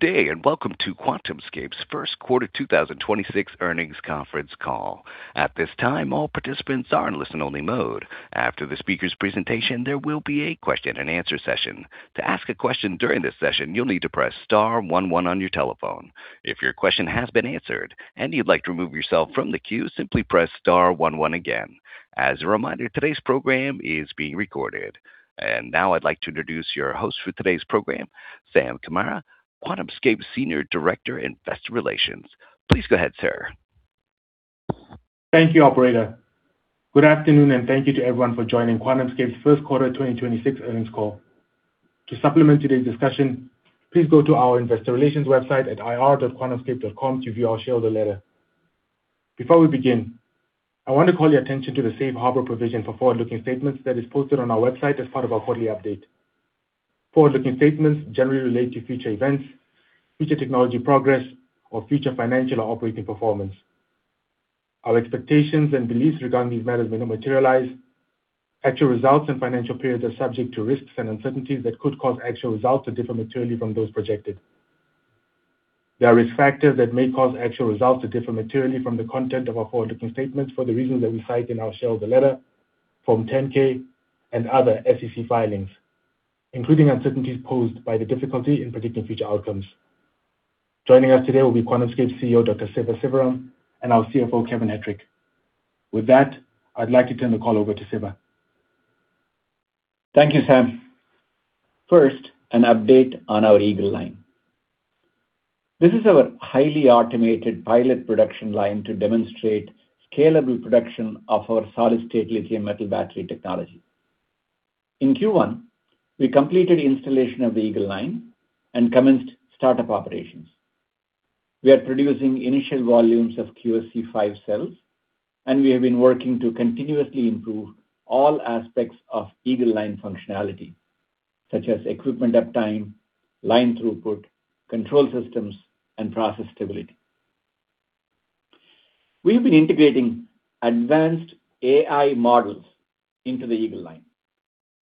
Good day, and welcome to QuantumScape's First Quarter 2026 Earnings Conference Call. At this time, all participants are in listen only mode. After the speaker's presentation, there will be a question and answer session. To ask a question during this session, you'll need to press star one one on your telephone. If your question has been answered and you'd like to remove yourself from the queue, simply press star one one again. As a reminder, today's program is being recorded. Now I'd like to introduce your host for today's program, Sam Kamara, QuantumScape's Senior Director, Investor Relations. Please go ahead, sir. Thank you, operator. Good afternoon, and thank you to everyone for joining QuantumScape's First Quarter 2026 Earnings Call. To supplement today's discussion, please go to our investor relations website at ir.quantumscape.com to view our shareholder letter. Before we begin, I want to call your attention to the Safe Harbor provision for forward-looking statements that is posted on our website as part of our quarterly update. Forward-looking statements generally relate to future events, future technology progress, or future financial or operating performance. Our expectations and beliefs regarding these matters may not materialize. Actual results and financial periods are subject to risks and uncertainties that could cause actual results to differ materially from those projected. There are risk factors that may cause actual results to differ materially from the content of our forward-looking statements for the reasons that we cite in our shareholder letter, Form 10-K and other SEC filings, including uncertainties posed by the difficulty in predicting future outcomes. Joining us today will be QuantumScape's CEO, Dr. Siva Sivaram, and our CFO, Kevin Hettrich. With that, I'd like to turn the call over to Siva. Thank you, Sam. First, an update on our Eagle Line. This is our highly automated pilot production line to demonstrate scalable production of our solid-state lithium-metal battery technology. In Q1, we completed installation of the Eagle Line and commenced startup operations. We are producing initial volumes of QSE-5 cells, and we have been working to continuously improve all aspects of Eagle Line functionality, such as equipment uptime, line throughput, control systems, and process stability. We have been integrating advanced AI models into the Eagle Line,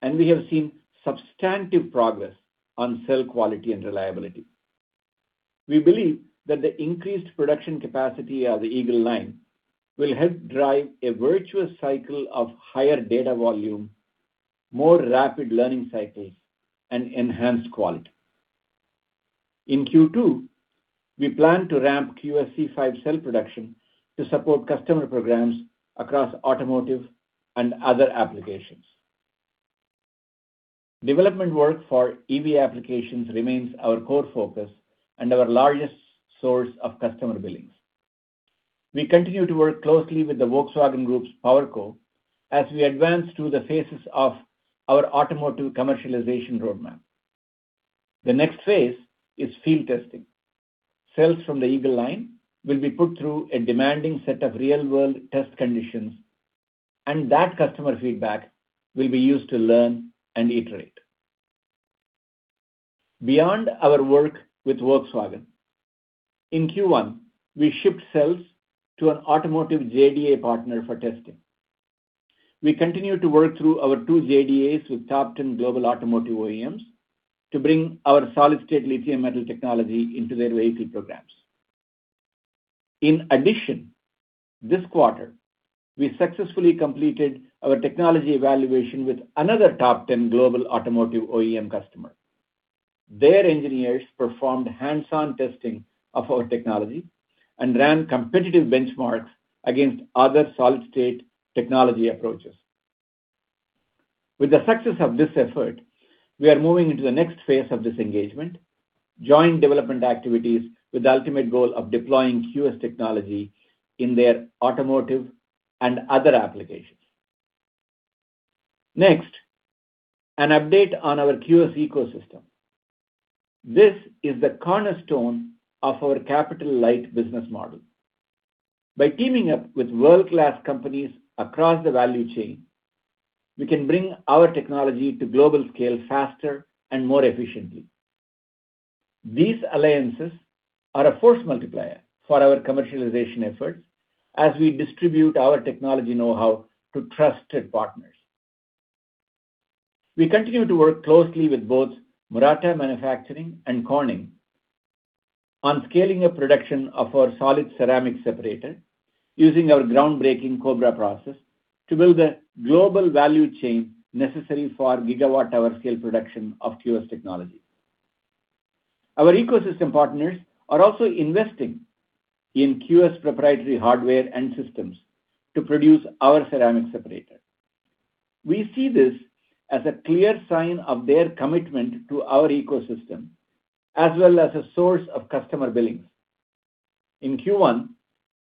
and we have seen substantive progress on cell quality and reliability. We believe that the increased production capacity of the Eagle Line will help drive a virtuous cycle of higher data volume, more rapid learning cycles, and enhanced quality. In Q2, we plan to ramp QSE-5 cell production to support customer programs across automotive and other applications. Development work for EV applications remains our core focus and our largest source of customer billings. We continue to work closely with the Volkswagen Group's PowerCo as we advance through the phases of our automotive commercialization roadmap. The next phase is field testing. Cells from the Eagle Line will be put through a demanding set of real-world test conditions, and that customer feedback will be used to learn and iterate. Beyond our work with Volkswagen, in Q1, we shipped cells to an automotive JDA partner for testing. We continue to work through our two JDAs with top 10 global automotive OEMs to bring our solid-state lithium metal technology into their vehicle programs. In addition, this quarter, we successfully completed our technology evaluation with another top 10 global automotive OEM customer. Their engineers performed hands-on testing of our technology and ran competitive benchmarks against other solid-state technology approaches. With the success of this effort, we are moving into the next phase of this engagement, joint development activities with the ultimate goal of deploying QS technology in their automotive and other applications. Next, an update on our QS ecosystem. This is the cornerstone of our capital-light business model. By teaming up with world-class companies across the value chain, we can bring our technology to global scale faster and more efficiently. These alliances are a force multiplier for our commercialization efforts as we distribute our technology knowhow to trusted partners. We continue to work closely with both Murata Manufacturing and Corning on scaling up production of our solid ceramic separator using our groundbreaking Cobra process to build the global value chain necessary for gigawatt hour scale production of QS technology. Our ecosystem partners are also investing in QS proprietary hardware and systems to produce our ceramic separator. We see this as a clear sign of their commitment to our ecosystem, as well as a source of customer billings. In Q1,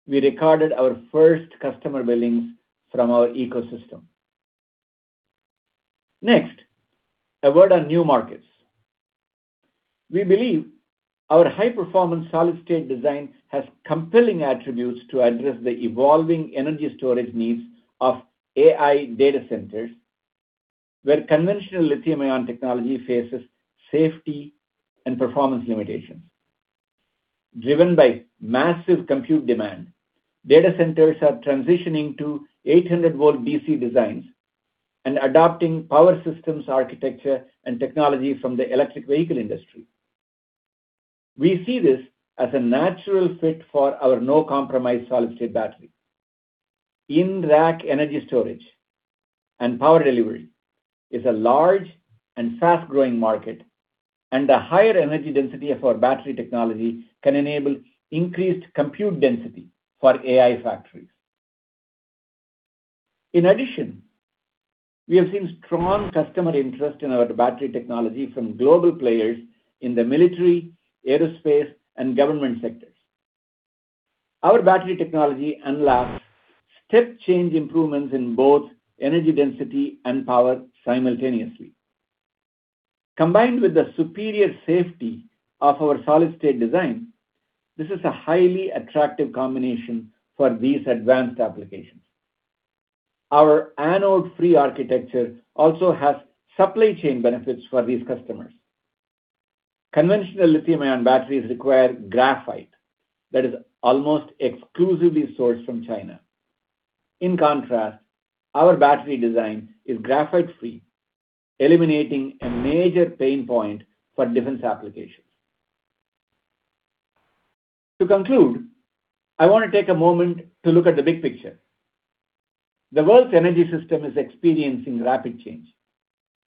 we recorded our first customer billings from our ecosystem. Next, a word on new markets. We believe our high-performance solid-state design has compelling attributes to address the evolving energy storage needs of AI data centers, where conventional lithium-ion technology faces safety and performance limitations. Driven by massive compute demand, data centers are transitioning to 800V DC designs and adopting power systems architecture and technology from the electric vehicle industry. We see this as a natural fit for our no-compromise solid state battery. In rack energy storage and power delivery is a large and fast-growing market, and the higher energy density of our battery technology can enable increased compute density for AI factories. In addition, we have seen strong customer interest in our battery technology from global players in the military, aerospace, and government sectors. Our battery technology unlocks step-change improvements in both energy density and power simultaneously. Combined with the superior safety of our solid-state design, this is a highly attractive combination for these advanced applications. Our anode-free architecture also has supply chain benefits for these customers. Conventional lithium-ion batteries require graphite that is almost exclusively sourced from China. In contrast, our battery design is graphite-free, eliminating a major pain point for defense applications. To conclude, I want to take a moment to look at the big picture. The world's energy system is experiencing rapid change.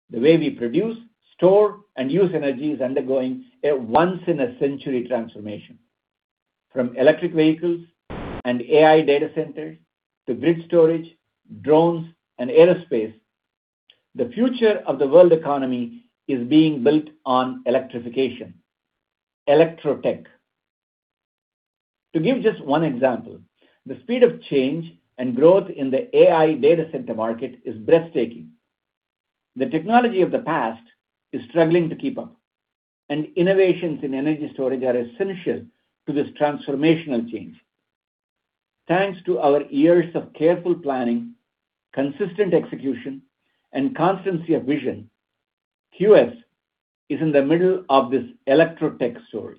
The way we produce, store, and use energy is undergoing a once-in-a-century transformation. From electric vehicles and AI data centers to grid storage, drones, and aerospace, the future of the world economy is being built on electrification, electrotech. To give just one example, the speed of change and growth in the AI data center market is breathtaking. The technology of the past is struggling to keep up, and innovations in energy storage are essential to this transformational change. Thanks to our years of careful planning, consistent execution, and constancy of vision, QS is in the middle of this electrotech story.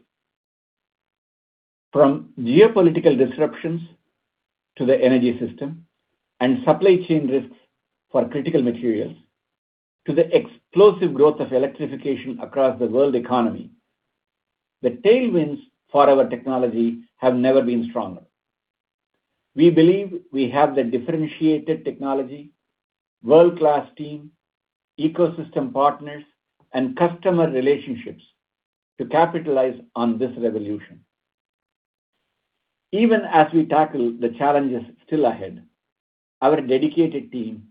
From geopolitical disruptions to the energy system and supply chain risks for critical materials, to the explosive growth of electrification across the world economy, the tailwinds for our technology have never been stronger. We believe we have the differentiated technology, world-class team, ecosystem partners, and customer relationships to capitalize on this revolution. Even as we tackle the challenges still ahead, our dedicated team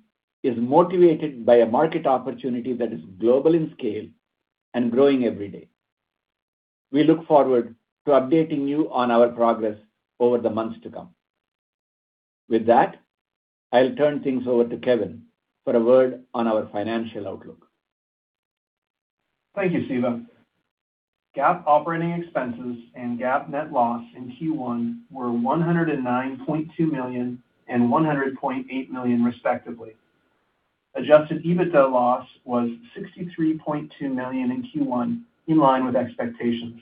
is motivated by a market opportunity that is global in scale and growing every day. We look forward to updating you on our progress over the months to come. With that, I'll turn things over to Kevin for a word on our financial outlook. Thank you, Siva. GAAP operating expenses and GAAP net loss in Q1 were $109.2 million and $100.8 million, respectively. Adjusted EBITDA loss was $63.2 million in Q1, in line with expectations.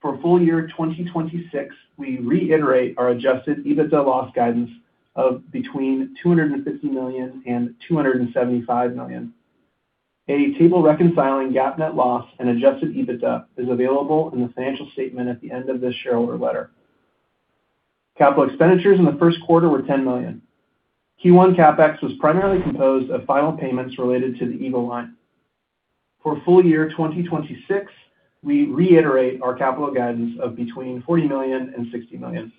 For full year 2026, we reiterate our adjusted EBITDA loss guidance of between $250 million and $275 million. A table reconciling GAAP net loss and adjusted EBITDA is available in the financial statement at the end of this shareholder letter. Capital expenditures in the first quarter were $10 million. Q1 CapEx was primarily composed of final payments related to the Eagle Line. For full year 2026, we reiterate our capital guidance of between $40 million and $60 million.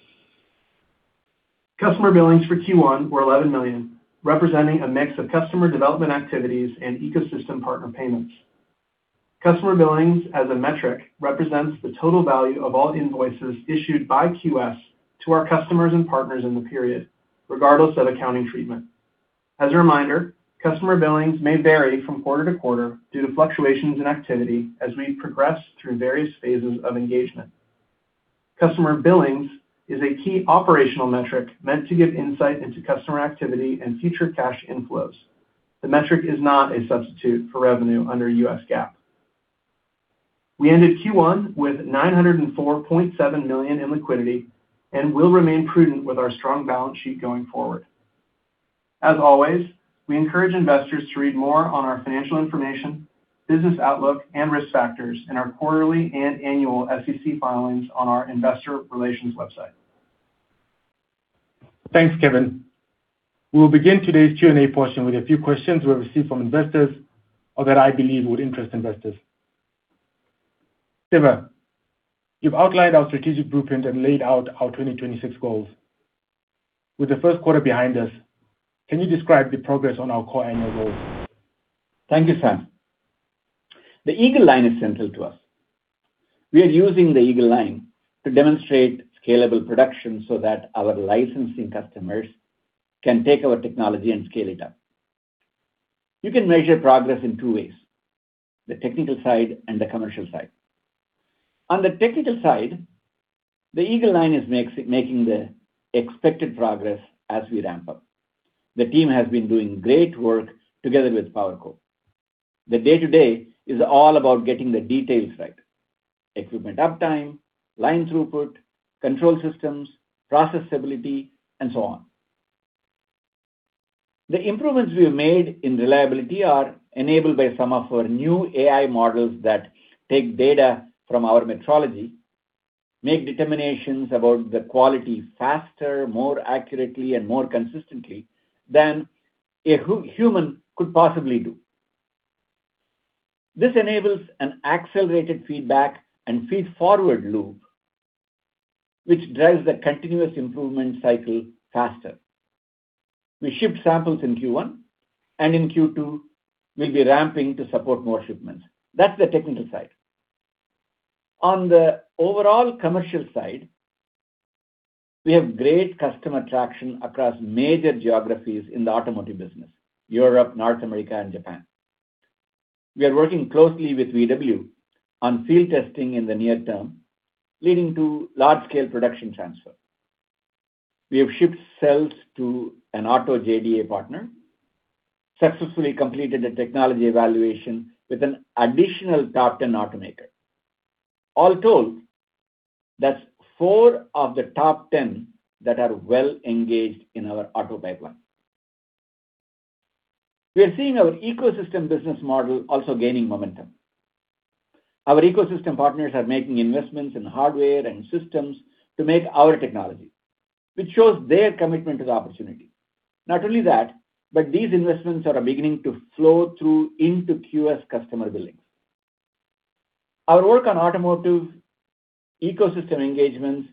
Customer billings for Q1 were $11 million, representing a mix of customer development activities and ecosystem partner payments. Customer billings as a metric represents the total value of all invoices issued by QS to our customers and partners in the period, regardless of accounting treatment. As a reminder, customer billings may vary from quarter to quarter due to fluctuations in activity as we progress through various phases of engagement. Customer billings is a key operational metric meant to give insight into customer activity and future cash inflows. The metric is not a substitute for revenue under US GAAP. We ended Q1 with $904.7 million in liquidity and will remain prudent with our strong balance sheet going forward. As always, we encourage investors to read more on our financial information, business outlook, and risk factors in our quarterly and annual SEC filings on our investor relations website. Thanks, Kevin. We will begin today's Q&A portion with a few questions we have received from investors or that I believe would interest investors. Siva, you've outlined our strategic blueprint and laid out our 2026 goals. With the first quarter behind us, can you describe the progress on our core annual goals? Thank you, Sam. The Eagle Line is central to us. We are using the Eagle Line to demonstrate scalable production so that our licensing customers can take our technology and scale it up. You can measure progress in two ways, the technical side and the commercial side. On the technical side, the Eagle Line is making the expected progress as we ramp up. The team has been doing great work together with PowerCo. The day-to-day is all about getting the details right. Equipment uptime, line throughput, control systems, process stability, and so on. The improvements we have made in reliability are enabled by some of our new AI models that take data from our metrology, make determinations about the quality faster, more accurately, and more consistently than a human could possibly do. This enables an accelerated feedback and feed-forward loop, which drives the continuous improvement cycle faster. We ship samples in Q1, and in Q2, we'll be ramping to support more shipments. That's the technical side. On the overall commercial side, we have great customer traction across major geographies in the automotive business, Europe, North America, and Japan. We are working closely with VW on field testing in the near term, leading to large-scale production transfer. We have shipped cells to an auto JDA partner, successfully completed a technology evaluation with an additional top 10 automaker. All told, that's four of the top 10 that are well engaged in our auto pipeline. We are seeing our ecosystem business model also gaining momentum. Our ecosystem partners are making investments in hardware and systems to make our technology, which shows their commitment to the opportunity. Not only that, but these investments are beginning to flow through into QS customer billings. Our work on automotive ecosystem engagements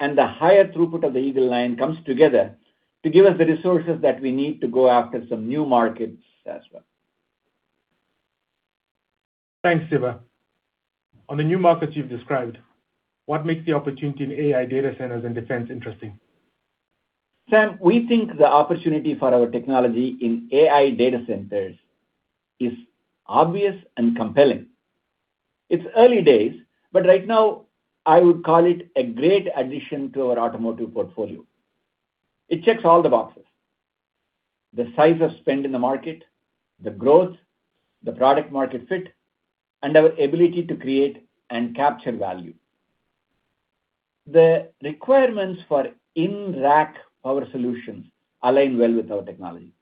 and the higher throughput of the Eagle Line comes together to give us the resources that we need to go after some new markets as well. Thanks, Siva. On the new markets you've described, what makes the opportunity in AI data centers and defense interesting? Sam, we think the opportunity for our technology in AI data centers is obvious and compelling. It's early days, but right now, I would call it a great addition to our automotive portfolio. It checks all the boxes, the size of spend in the market, the growth, the product market fit, and our ability to create and capture value. The requirements for in-rack power solutions align well with our technology.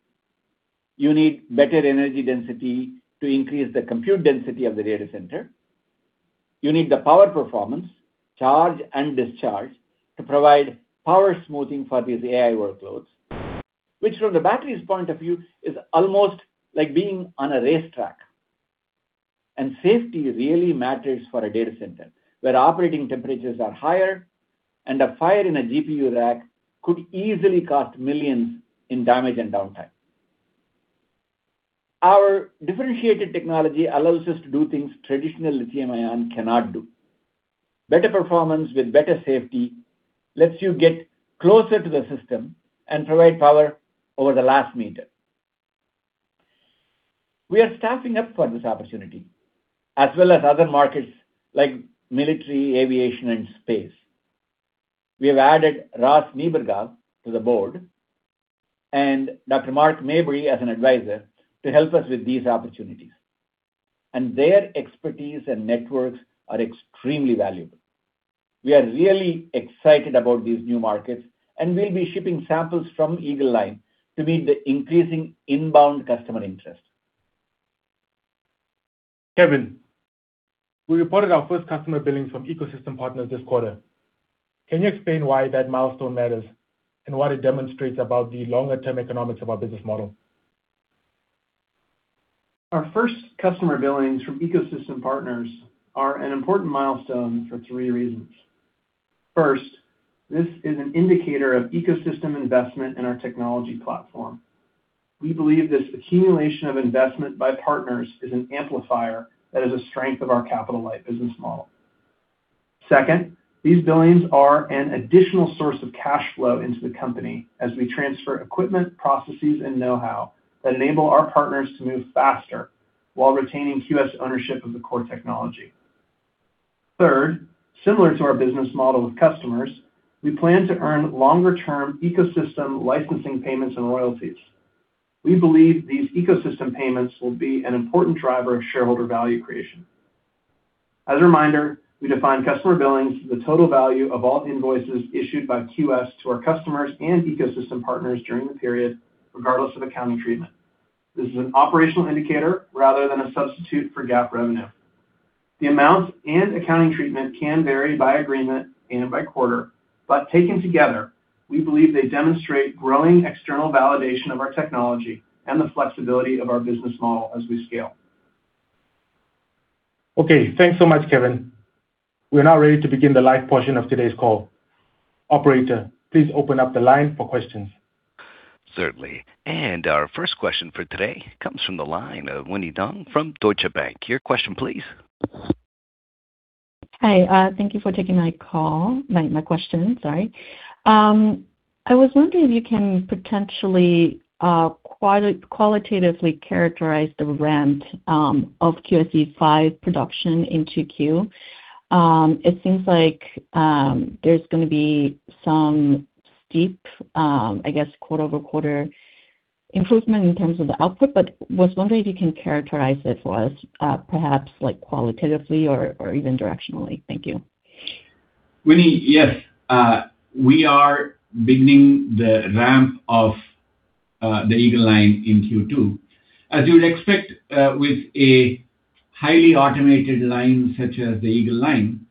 You need better energy density to increase the compute density of the data center. You need the power performance, charge and discharge, to provide power smoothing for these AI workloads, which from the battery's point of view, is almost like being on a racetrack. Safety really matters for a data center where operating temperatures are higher, and a fire in a GPU rack could easily cost millions in damage and downtime. Our differentiated technology allows us to do things traditional lithium-ion cannot do. Better performance with better safety lets you get closer to the system and provide power over the last meter. We are staffing up for this opportunity, as well as other markets like military, aviation, and space. We have added Ross Niebergall to the board and Dr. Mark Maybury as an advisor to help us with these opportunities. Their expertise and networks are extremely valuable. We are really excited about these new markets and will be shipping samples from Eagle Line to meet the increasing inbound customer interest. Kevin, we reported our first customer billings from ecosystem partners this quarter. Can you explain why that milestone matters and what it demonstrates about the longer-term economics of our business model? Our first customer billings from ecosystem partners are an important milestone for three reasons. First, this is an indicator of ecosystem investment in our technology platform. We believe this accumulation of investment by partners is an amplifier that is a strength of our capital-light business model. Second, these billings are an additional source of cash flow into the company as we transfer equipment, processes, and know-how that enable our partners to move faster while retaining QS ownership of the core technology. Third, similar to our business model with customers, we plan to earn longer-term ecosystem licensing payments and royalties. We believe these ecosystem payments will be an important driver of shareholder value creation. As a reminder, we define customer billings as the total value of all invoices issued by QS to our customers and ecosystem partners during the period, regardless of accounting treatment. This is an operational indicator rather than a substitute for GAAP revenue. The amount and accounting treatment can vary by agreement and by quarter, but taken together, we believe they demonstrate growing external validation of our technology and the flexibility of our business model as we scale. Okay. Thanks so much, Kevin. We are now ready to begin the live portion of today's call. Operator, please open up the line for questions. Certainly. Our first question for today comes from the line of Winnie Dong from Deutsche Bank. Your question, please. Hi. Thank you for taking my question, sorry. I was wondering if you can potentially qualitatively characterize the ramp of QSE-5 production in 2Q. It seems like there's going to be some steep, I guess, quarter-over-quarter improvement in terms of the output. I was wondering if you can characterize it for us perhaps qualitatively or even directionally. Thank you. Winnie, yes. We are beginning the ramp of the Eagle Line in Q2. As you would expect with a highly automated line such as the Eagle Line,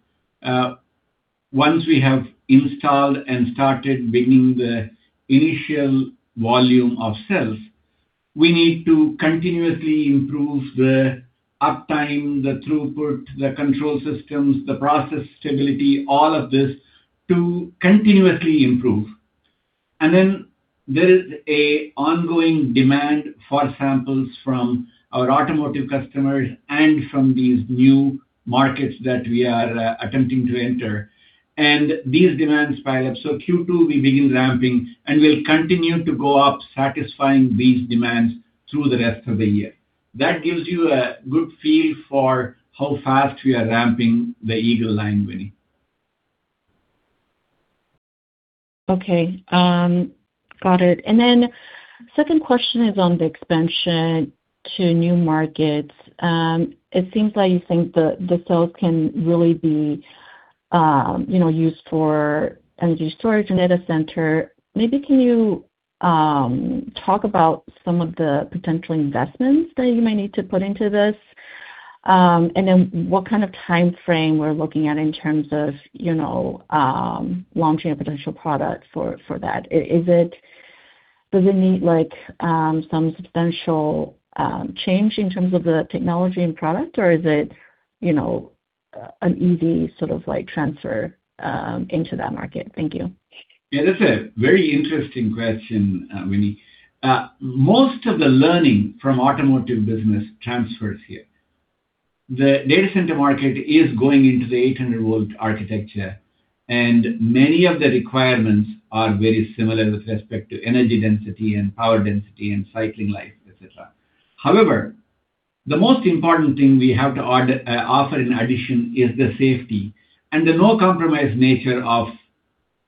once we have installed and started bringing the initial volume of cells, we need to continuously improve the uptime, the throughput, the control systems, the process stability, all of this to continuously improve. There's an ongoing demand for samples from our automotive customers and from these new markets that we are attempting to enter, and these demands pile up. Q2, we begin ramping, and we'll continue to go up satisfying these demands through the rest of the year. That gives you a good feel for how fast we are ramping the Eagle Line, Winnie. Okay. Got it. Second question is on the expansion to new markets. It seems like you think the cells can really be used for energy storage in data center. Maybe can you talk about some of the potential investments that you may need to put into this? What kind of timeframe we're looking at in terms of launching a potential product for that. Does it need some substantial change in terms of the technology and product, or is it an easy sort of transfer into that market? Thank you. Yeah, that's a very interesting question, Winnie. Most of the learning from automotive business transfers here. The data center market is going into the 800-volt architecture, and many of the requirements are very similar with respect to energy density and power density and cycling life, et cetera. However, the most important thing we have to offer in addition is the safety and the no-compromise nature of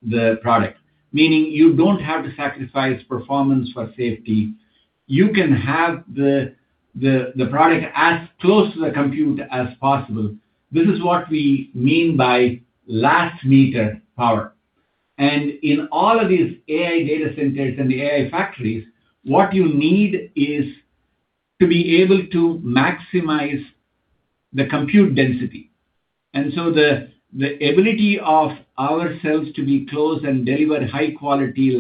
the product, meaning you don't have to sacrifice performance for safety. You can have the product as close to the compute as possible. This is what we mean by last-meter power. In all of these AI data centers and the AI factories, what you need is to be able to maximize the compute density. The ability of our cells to be close and deliver high-quality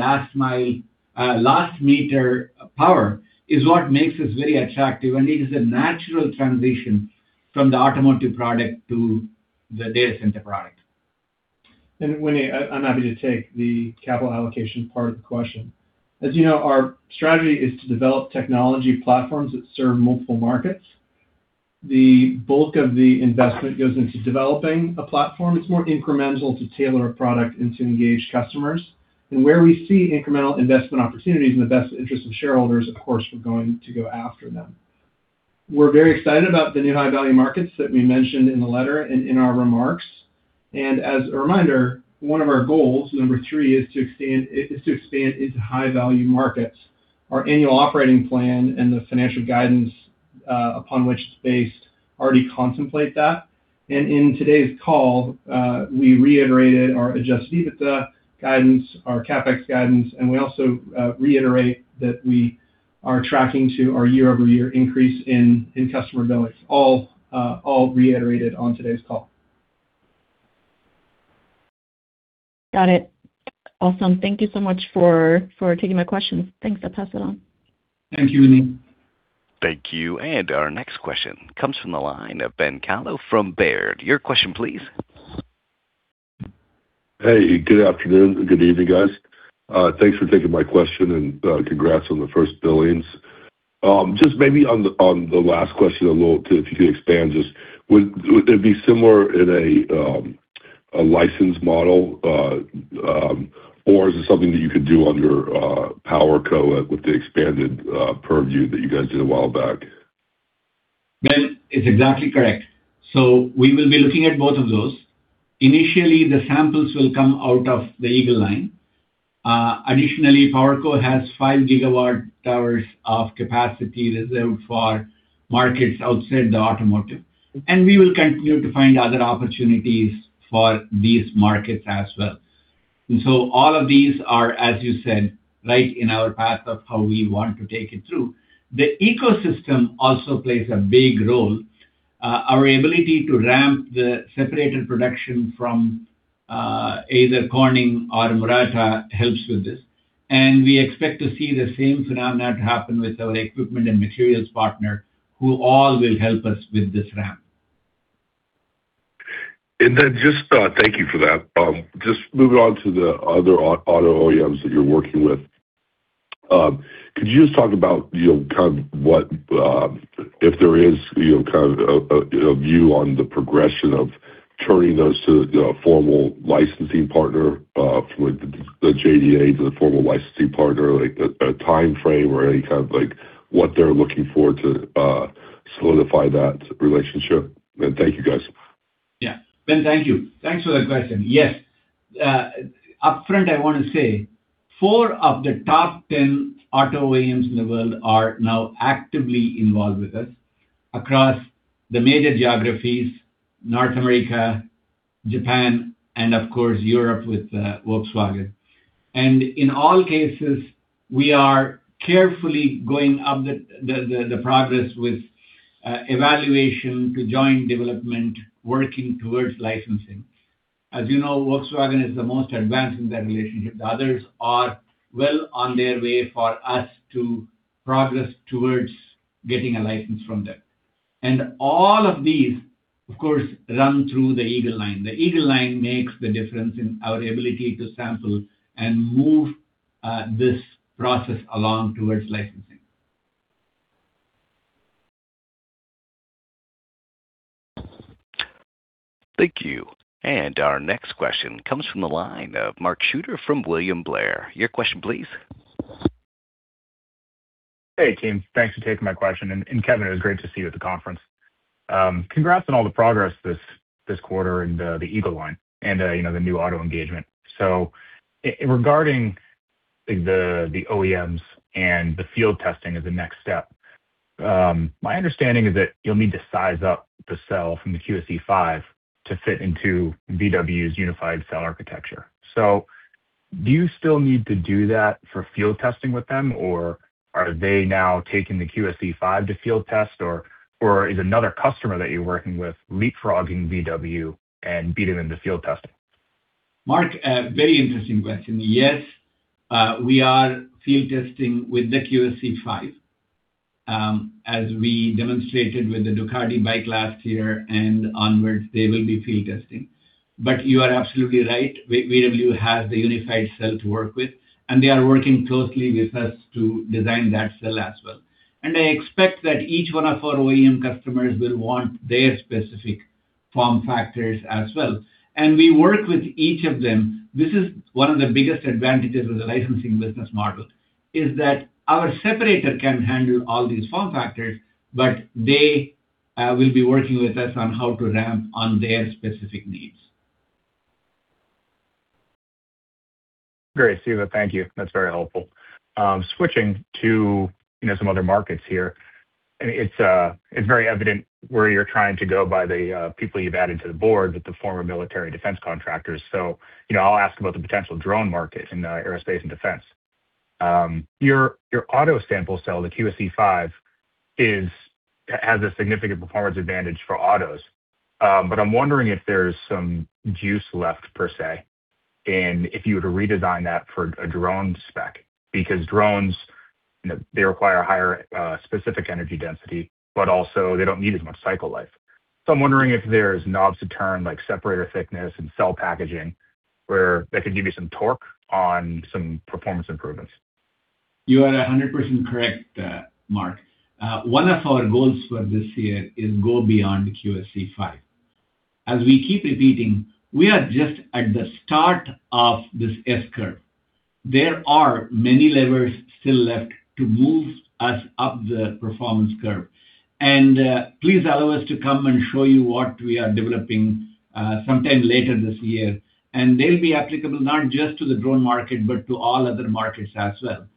last-meter power is what makes us very attractive, and it is a natural transition from the automotive product to the data center product. Winnie, I'm happy to take the capital allocation part of the question. As you know, our strategy is to develop technology platforms that serve multiple markets. The bulk of the investment goes into developing a platform. It's more incremental to tailor a product and to engage customers. Where we see incremental investment opportunities in the best interest of shareholders, of course, we're going to go after them. We're very excited about the new high-value markets that we mentioned in the letter and in our remarks. As a reminder, one of our goals, number three, is to expand into high-value markets. Our annual operating plan and the financial guidance, upon which it's based, already contemplate that. In today's call, we reiterated our adjusted EBITDA guidance, our CapEx guidance, and we also reiterate that we are tracking to our year-over-year increase in customer billings, all reiterated on today's call. Got it. Awesome. Thank you so much for taking my questions. Thanks. I'll pass it on. Thank you, Winnie. Thank you. Our next question comes from the line of Ben Kallo from Baird. Your question, please. Hey, good afternoon. Good evening, guys. Thanks for taking my question. Congrats on the first billings. Just maybe on the last question a little, if you could expand, just would it be similar in a license model? Or is it something that you could do on your PowerCo with the expanded purview that you guys did a while back? Ben, it's exactly correct. We will be looking at both of those. Initially, the samples will come out of the Eagle Line. Additionally, PowerCo has 5 GW hours of capacity reserved for markets outside the automotive, and we will continue to find other opportunities for these markets as well. All of these are, as you said, right in our path of how we want to take it through. The ecosystem also plays a big role. Our ability to ramp the separated production from either Corning or Murata helps with this. We expect to see the same phenomenon happen with our equipment and materials partner, who all will help us with this ramp. Just thank you for that. Just moving on to the other auto OEMs that you're working with. Could you just talk about kind of what if there is kind of a view on the progression of turning those to a formal licensing partner, from the JDA to the formal licensing partner, like a timeframe or any kind of what they're looking for to solidify that relationship. Thank you, guys. Yeah. Ben, thank you. Thanks for that question. Yes. Upfront, I want to say four of the top 10 auto OEMs in the world are now actively involved with us across the major geographies, North America, Japan, and of course, Europe with Volkswagen. In all cases, we are carefully gauging the progress with evaluation to joint development, working towards licensing. As you know, Volkswagen is the most advanced in that relationship. The others are well on their way for us to progress towards getting a license from them. All of these, of course, run through the Eagle Line. The Eagle Line makes the difference in our ability to sample and move this process along towards licensing. Thank you. Our next question comes from the line of Mark Shooter from William Blair. Your question please. Hey, team. Thanks for taking my question. Kevin, it was great to see you at the conference. Congrats on all the progress this quarter and the Eagle Line and the new auto engagement. Regarding the OEMs and the field testing as the next step, my understanding is that you'll need to size up the cell from the QSE-5 to fit into VW's unified cell architecture. Do you still need to do that for field testing with them, or are they now taking the QSE-5 to field test? Is another customer that you're working with leapfrogging VW and beating them to field testing? Mark, a very interesting question. Yes, we are field testing with the QSE-5. As we demonstrated with the Ducati bike last year and onwards, they will be field testing. You are absolutely right. VW has the unified cell to work with, and they are working closely with us to design that cell as well. I expect that each one of our OEM customers will want their specific form factors as well. We work with each of them. This is one of the biggest advantages of the licensing business model, is that our separator can handle all these form factors, but they will be working with us on how to ramp on their specific needs. Great, Siva. Thank you. That's very helpful. Switching to some other markets here, it's very evident where you're trying to go by the people you've added to the board with the former military defense contractors. I'll ask about the potential drone market in aerospace and defense. Your auto sample cell, the QSE-5 has a significant performance advantage for autos. But I'm wondering if there's some juice left, per se, and if you were to redesign that for a drone spec, because drones, they require a higher specific energy density, but also they don't need as much cycle life. I'm wondering if there's knobs to turn, like separator thickness and cell packaging, where that could give you some torque on some performance improvements. You are 100% correct, Mark. One of our goals for this year is to go beyond QSE-5. As we keep repeating, we are just at the start of this S-curve. There are many levers still left to move us up the performance curve. Please allow us to come and show you what we are developing sometime later this year. They'll be applicable not just to the drone market, but to all other markets as well.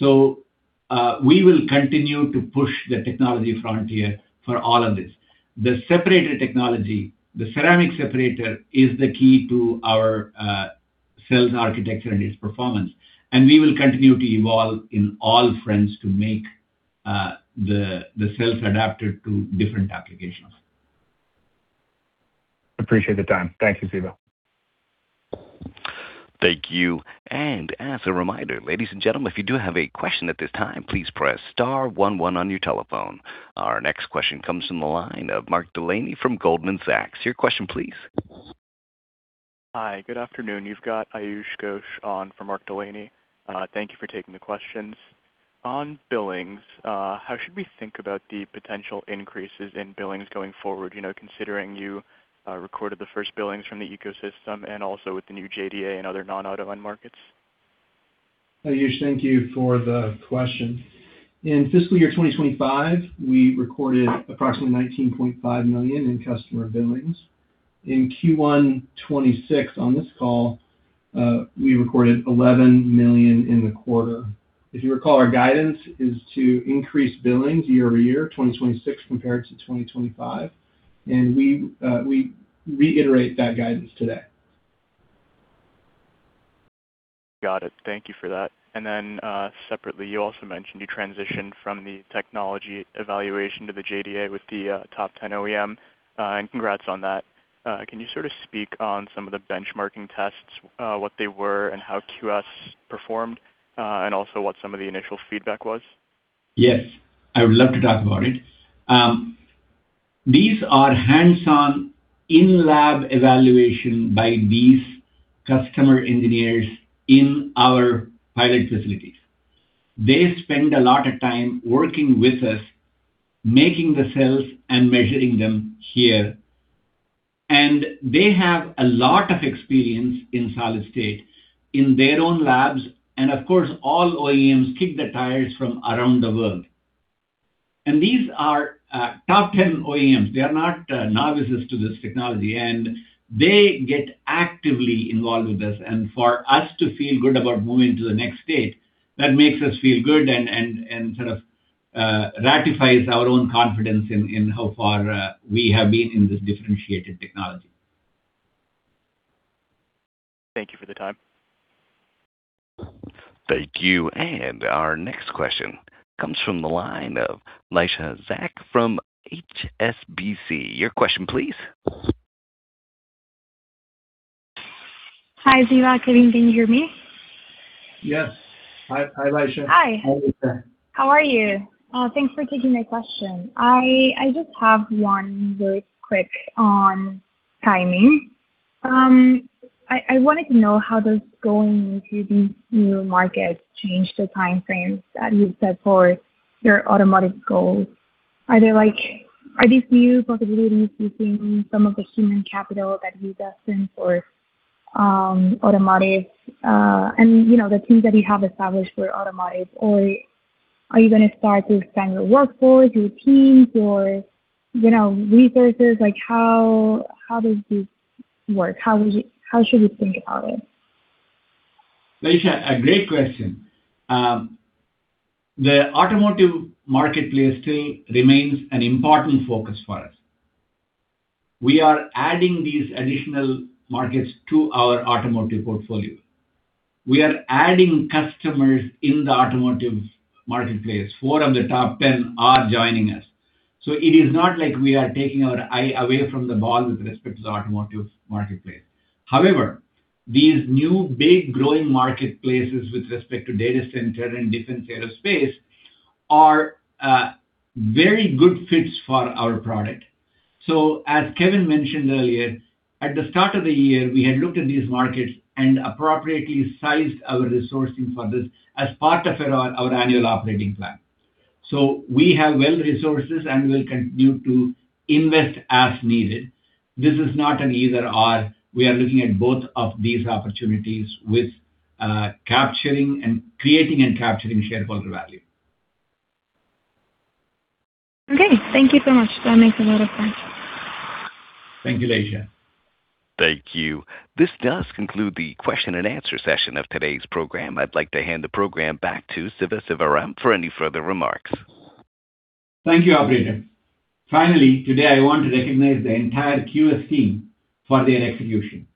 We will continue to push the technology frontier for all of this. The separator technology, the ceramic separator, is the key to our cell's architecture and its performance. We will continue to evolve in all fronts to make the cells adapted to different applications. Appreciate the time. Thank you, Siva. Thank you. As a reminder, ladies and gentlemen, if you do have a question at this time, please press star one one on your telephone. Our next question comes from the line of Mark Delaney from Goldman Sachs. Your question please. Hi. Good afternoon. You've got Ayush Ghosh on for Mark Delaney. Thank you for taking the questions. On billings, how should we think about the potential increases in billings going forward, considering you recorded the first billings from the ecosystem and also with the new JDA and other non-auto end markets? Ayush, thank you for the question. In fiscal year 2025, we recorded approximately $19.5 million in customer billings. In Q1 2026, on this call, we recorded $11 million in the quarter. If you recall, our guidance is to increase billings year-over-year, 2026 compared to 2025. We reiterate that guidance today. Got it. Thank you for that. Separately, you also mentioned you transitioned from the technology evaluation to the JDA with the top 10 OEM, and congrats on that. Can you sort of speak on some of the benchmarking tests, what they were, and how QS performed, and also what some of the initial feedback was? Yes, I would love to talk about it. These are hands-on in-lab evaluation by these customer engineers in our pilot facilities. They spend a lot of time working with us, making the cells and measuring them here. They have a lot of experience in solid state in their own labs, and of course, all OEMs kick the tires from around the world. These are top 10 OEMs. They are not novices to this technology, and they get actively involved with us. For us to feel good about moving to the next stage, that makes us feel good and sort of ratifies our own confidence in how far we have been in this differentiated technology. Thank you for the time. Thank you. Our next question comes from the line of Laisha Zaack from HSBC. Your question please. Hi, Siva, Kevin, can you hear me? Yes. Hi, Laisha. Hi. Hi, Laisha. How are you? Thanks for taking my question. I just have one very quick on timing. I wanted to know how does going into these new markets change the time frames that you've set for your automotive goals. Are these new possibilities using some of the human capital that you've destined for automotive, and the teams that you have established for automotive or are you going to start to expand your workforce, your teams or resources? How does this work? How should we think about it? Laisha, a great question. The automotive marketplace still remains an important focus for us. We are adding these additional markets to our automotive portfolio. We are adding customers in the automotive marketplace. Four of the top 10 are joining us. It is not like we are taking our eye away from the ball with respect to the automotive marketplace. However, these new, big growing marketplaces with respect to data center and defense aerospace are very good fits for our product. As Kevin mentioned earlier, at the start of the year, we had looked at these markets and appropriately sized our resourcing for this as part of our annual operating plan. We have well-resourced this, and we'll continue to invest as needed. This is not an either/or. We are looking at both of these opportunities with creating and capturing shareholder value. Okay. Thank you so much. That makes a lot of sense. Thank you, Laisha. Thank you. This does conclude the question and answer session of today's program. I'd like to hand the program back to Siva Sivaram for any further remarks. Thank you, operator. Finally, today I want to recognize the entire QS team for their execution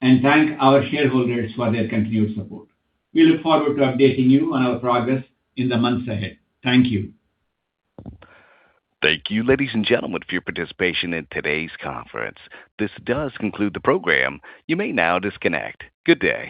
and thank our shareholders for their continued support. We look forward to updating you on our progress in the months ahead. Thank you. Thank you, ladies and gentlemen, for your participation in today's conference. This does conclude the program. You may now disconnect. Good day.